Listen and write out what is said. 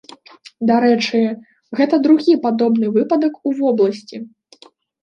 Дарэчы, гэта другі падобны выпадак у вобласці.